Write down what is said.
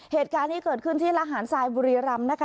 เหตุการณ์ที่เกิดขึ้นที่ราเหานทรายบริรัมณ์นะคะ